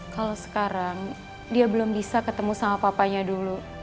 kalau sekarang dia belum bisa ketemu sama papanya dulu